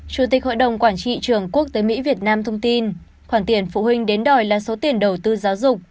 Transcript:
chủ tịch hội đồng quản trị trường quốc tế mỹ việt nam thông tin khoản tiền phụ huynh đến đòi là số tiền đầu tư giáo dục